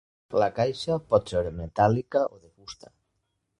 La caixa pot ser metàl·lica o de fusta.